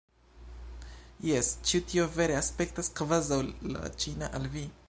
Jes, ĉu tio vere aspektas kvazaŭ la ĉina al vi?